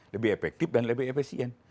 lebih efektif dan lebih efisien